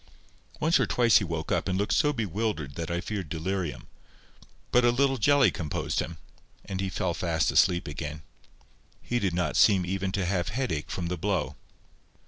Once or twice he woke up, and looked so bewildered that I feared delirium; but a little jelly composed him, and he fell fast asleep again. He did not seem even to have headache from the blow.